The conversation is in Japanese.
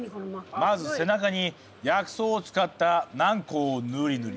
まず背中に薬草を使った軟こうをぬりぬり。